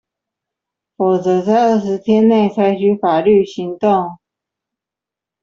否則在二十天內採取法律行動